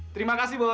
terima kasih bos